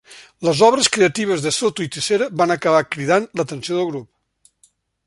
Les obres creatives de Soto i Tissera van acabar cridant l'atenció del grup.